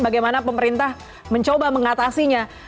bagaimana pemerintah mencoba mengatasinya